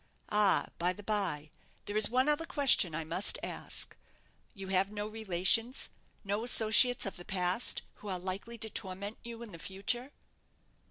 Ah, by the bye, there is one other question I must ask. You have no relations, no associates of the past who are likely to torment you in the future?"